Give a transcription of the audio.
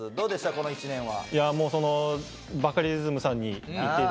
この１年は。